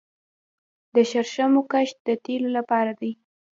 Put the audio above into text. د شرشمو کښت د تیلو لپاره دی